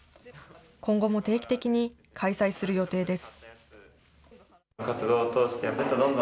今後も定期的に開催する予定です。